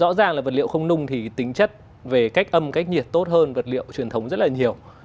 rõ ràng là vật liệu không nung thì tính chất về cách âm cách nhiệt tốt hơn vật liệu truyền thống rất là nhiều